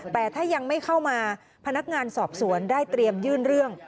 แต่ถ้ายังไม่เข้ามาพนักงานสอบสวนได้เตรียมยื่นเรื่อง